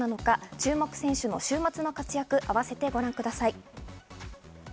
注目選手の週末の活躍も合わせてご覧ください。